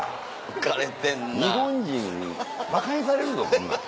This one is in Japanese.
日本人ばかにされるぞこんなん。